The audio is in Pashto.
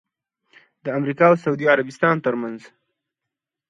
د امریکا اوسعودي عربستان ترمنځ